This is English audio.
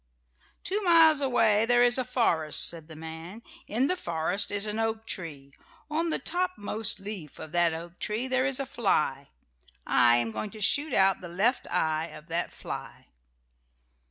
"Two miles away there is a forest," said the man. "In the forest is an oak tree. On the top most leaf of that oak tree there is a fly. I am going to shoot out the left eye of that fly."